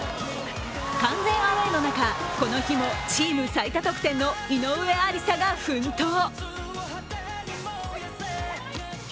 完全アウェーの中、この日もチーム最多得点の井上愛里沙が奮闘。